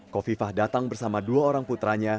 kofifah datang bersama dua orang putranya